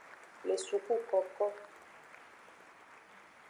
Le sukukoko.